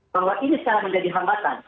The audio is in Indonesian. bahwa ini sekarang menjadi hambatan